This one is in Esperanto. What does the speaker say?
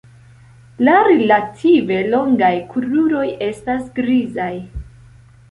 La relative longaj kruroj estas grizaj.